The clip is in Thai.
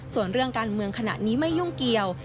ส่วนเรื่องการเมืองขณะนี้ไม่ยุ่งเกี่ยว